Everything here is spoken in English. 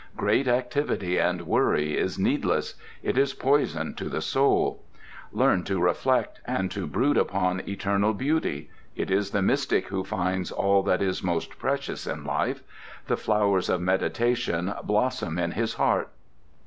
Great activity and worry is needless—it is poison to the soul. Learn to reflect, and to brood upon eternal beauty. It is the mystic who finds all that is most precious in life. The flowers of meditation blossom in his heart."